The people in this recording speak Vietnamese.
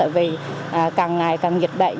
vì càng ngày càng dịch bệnh